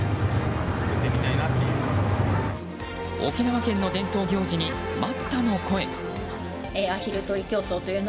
沖縄県の伝統行事に待ったの声。